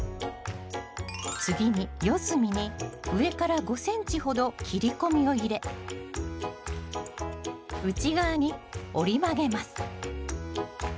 次に四隅に上から５ｃｍほど切り込みを入れ内側に折り曲げます。